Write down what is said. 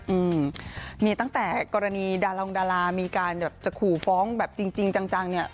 อืมเนี่ยตั้งแต่กรณีดารองดารามีการแบบจะขู่ฟ้องแบบจริงจริงจังจังเนี้ย